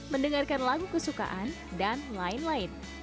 mendengarkan lagu kesukaan dan lain lain